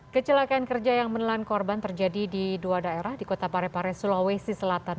kecelakaan kerja yang menelan korban terjadi di dua daerah di kota parepare sulawesi selatan